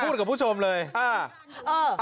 อยู่นี้ค่ะอยู่นี้ค่ะ